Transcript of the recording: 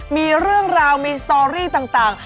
มีเรื่องราวมีสตอรี่ต่าง